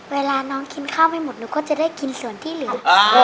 เวลาน้องกินข้าวไม่หมดหนูก็จะได้กินส่วนที่เหลือ